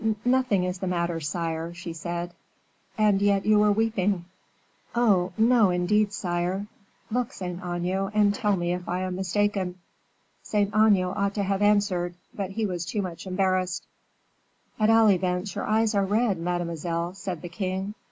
"Nothing is the matter, sire," she said. "And yet you were weeping?" "Oh, no, indeed, sire." "Look, Saint Aignan, and tell me if I am mistaken." Saint Aignan ought to have answered, but he was too much embarrassed. "At all events your eyes are red, mademoiselle," said the king.